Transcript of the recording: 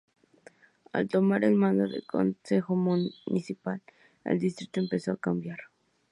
Al tomar el mando del Concejo Municipal, el distrito empezó a cambiar.